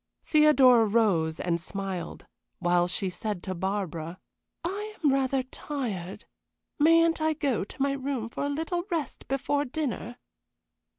Theodora rose and smiled, while she said to Barbara: "I am rather tired. Mayn't I go to my room for a little rest before dinner?"